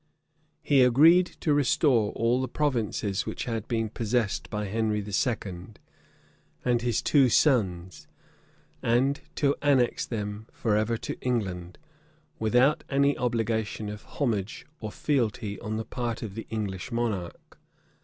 He agreed to restore all the provinces which had been possessed by Henry II. and his two sons, and to annex them forever to England, without any obligation of homage or fealty on the part of the English monarch.